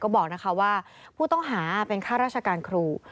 บอกว่าผู้ต้องหาเป็นข้าราชการครู